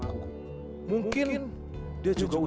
eh tunggu tunggu